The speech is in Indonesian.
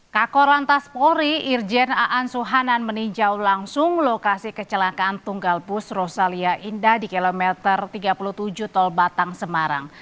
kakor lantas polri irjen aan suhanan meninjau langsung lokasi kecelakaan tunggal bus rosalia indah di kilometer tiga puluh tujuh tol batang semarang